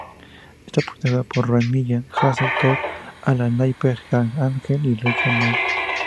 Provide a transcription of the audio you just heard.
Está protagonizada por Ray Milland, Hazel Court, Alan Napier, Heather Angel y Richard Ney.